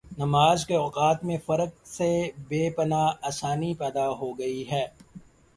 نمازکے اوقات میں فرق سے بے پناہ آسانی پیدا ہوگئی ہے۔